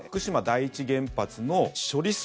第一原発の処理水